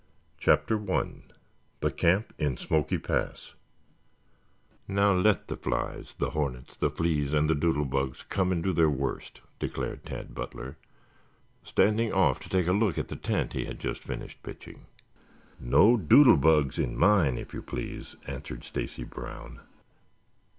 CHAPTER I THE CAMP IN SMOKY PASS "Now let the flies, the hornets, the fleas and the doodle bugs come and do their worst," declared Tad Butler, standing off to take a look at the tent he had just finished pitching. "No doodle bugs in mine, if you please," answered Stacy Brown.